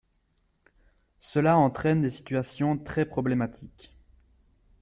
Cela entraîne des situations très problématiques.